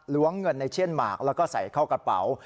เงินในเชื่อนหมากแล้วก็ใส่เข้ากระเป๋า